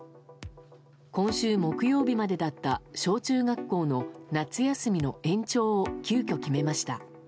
今週木曜日までだった小中学校の夏休みの延長を急きょ決めました。